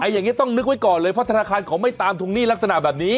อย่างนี้ต้องนึกไว้ก่อนเลยเพราะธนาคารเขาไม่ตามทวงหนี้ลักษณะแบบนี้